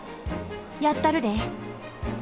やったるで！